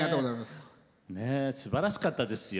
すばらしかったですよ。